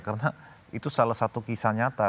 karena itu salah satu kisah nyata